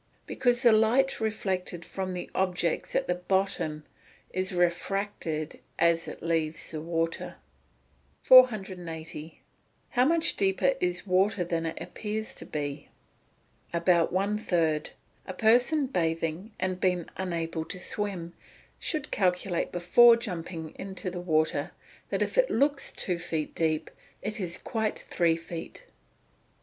_ Because the light reflected from the objects at the bottom is refracted as it leaves the water. 480. How much deeper is water than it appears to be? About one third. A person bathing, and being unable to swim, should calculate before jumping into the water, that if it looks two feet deep, it is quite three feet.